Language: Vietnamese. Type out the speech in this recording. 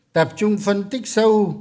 tập trung phân tích sâu